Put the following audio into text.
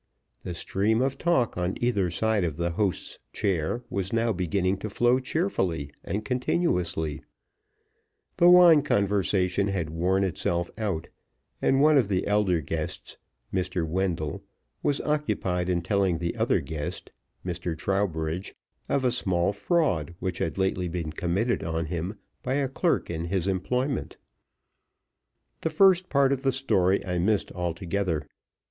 The stream of talk on either side of the host's chair was now beginning to flow cheerfully and continuously; the wine conversation had worn itself out; and one of the elder guests Mr. Wendell was occupied in telling the other guest Mr. Trowbridge of a small fraud which had lately been committed on him by a clerk in his employment. The first part of the story I missed altogether.